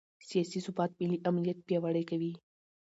سیاسي ثبات ملي امنیت پیاوړی کوي